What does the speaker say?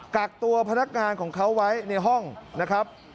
กักตัวพนักงานของเขาไว้ในห้องนะครับ